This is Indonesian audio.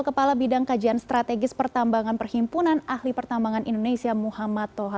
kepala bidang kajian strategis pertambangan perhimpunan ahli pertambangan indonesia muhammad toha